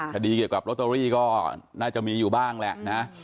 คดีเกี่ยวกับลอตเตอรี่ก็น่าจะมีอยู่บ้างแหละนะ